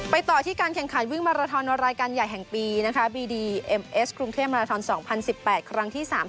ไปต่อที่การแข่งขันวิ่งมาราทอนรายการใหญ่แห่งปีนะคะ